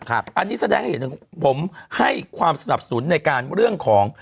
อันนี้แสดงให้เห็นถึงผมให้ความสนับสนุนในการเรื่องของ